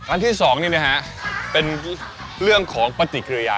อันที่๒นี่นะฮะเป็นเรื่องของปฏิกิริยา